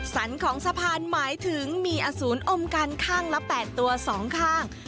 สันของสะพานหมายถึงมีอสูรอมกันข้างละ๘ตัว๒ข้าง